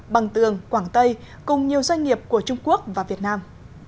bằng tường quảng tây cùng nhiều doanh nghiệp của trung quốc và việt nam